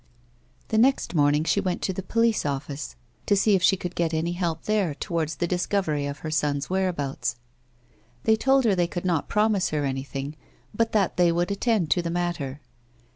The next morning she went to the police ofBce to see if she could get any help there towards the discovery of her son's whereabouts. They told her they could not promise her anything, but that they would attend to the matter.